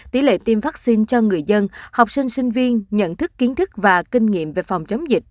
tỷ lệ tiêm vaccine cho người dân học sinh sinh viên nhận thức kiến thức và kinh nghiệm về phòng chống dịch